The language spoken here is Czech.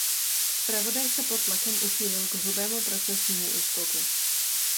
Zpravodaj se pod tlakem uchýlil k hrubému procesnímu úskoku.